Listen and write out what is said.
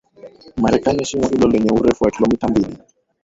Marekani Shimo hilo lenye urefu wa kilometa mbili